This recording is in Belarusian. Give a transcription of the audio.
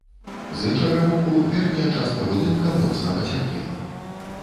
З іншага боку, верхняя частка будынка моцна пацярпела.